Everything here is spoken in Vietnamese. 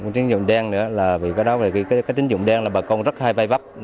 tín dụng đen nữa vì cái tín dụng đen là bà con rất hay vai vấp